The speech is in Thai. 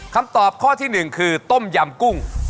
คำตอบข้อที่๑คือต้มยำกุ้ง